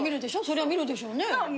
そりゃ見るでしょうね